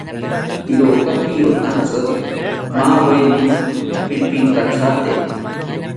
Iroka piyotantzi, maweni pipinkithate